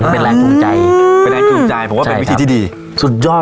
เป็นแรงจูงใจเป็นแรงจูงใจผมว่าเป็นวิธีที่ดีสุดยอด